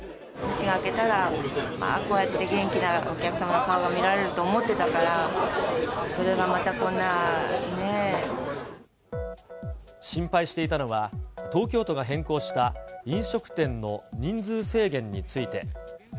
年が明けたら、こうやって元気なお客様の顔が見られると思ってたから、それがま心配していたのは、東京都が変更した飲食店の人数制限について。